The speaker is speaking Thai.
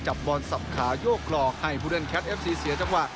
บอลสับขาโยกหลอกให้ผู้เล่นแคทเอฟซีเสียจังหวะ